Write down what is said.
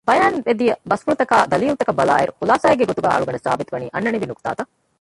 ބަޔާންވެދިޔަ ބަސްފުޅުތަކާއި ދަލީލުތަކަށް ބަލާއިރު ޚުލާޞާއެއްގެ ގޮތުގައި އަޅުގަނޑަށް ސާބިތުވަނީ އަންނަނިވި ނުގުތާތައް